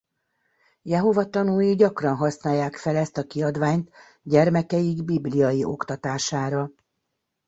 Jehova Tanúi gyakran használják fel ezt a kiadványt gyermekeik Bibliai oktatására.